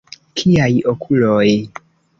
Kiaj okuloj!